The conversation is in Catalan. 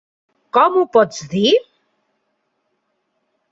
Com ho pots dir?